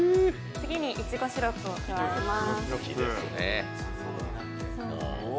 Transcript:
次に、いちごシロップを加えます。